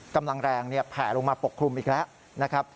กำลังแรงแผ่ลงมาปกคลุมอีกแล้วนะครับ